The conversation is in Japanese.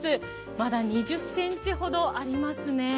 まだ２０ｃｍほどありますね。